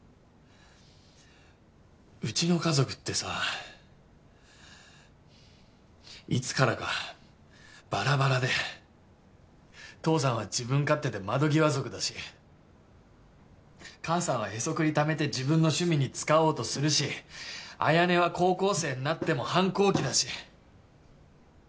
うちの家族ってさいつからかばらばらで父さんは自分勝手で窓際族だし母さんはへそくりためて自分の趣味に使おうとするし彩音は高校生になっても反抗期だし。